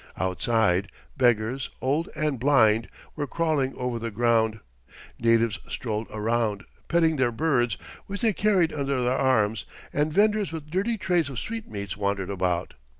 Outside, beggars, old and blind, were crawling over the ground; natives strolled around, petting their birds, which they carried under their arms; and vendors with dirty trays of sweetmeats wandered about.